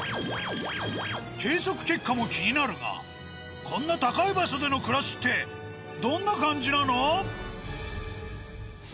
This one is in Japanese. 計測結果も気になるがこんな高い場所での暮らしってどんな感じなの？